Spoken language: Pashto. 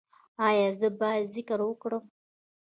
ایا زه باید ذکر وکړم؟